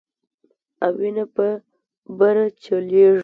او وينه به بره چليږي